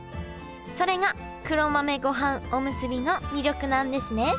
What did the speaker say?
それが黒豆ごはんおむすびの魅力なんですね